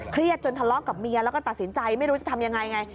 จนทะเลาะกับเมียแล้วก็ตัดสินใจไม่รู้จะทำยังไงไง